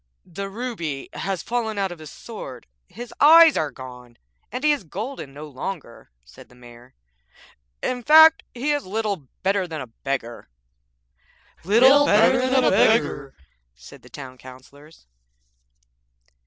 'The ruby has fallen out of his sword, his eyes are gone, and he is golden no longer,' said the Mayor; 'in fact, he is little better than a beggar!' 'Little better than a beggar,' said the Town Councillors.